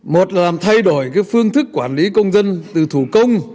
một là thay đổi phương thức quản lý công dân từ thủ công